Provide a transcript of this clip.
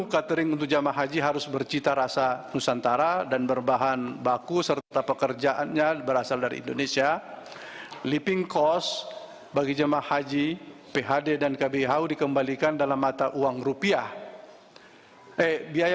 sampai jumpa di video selanjutnya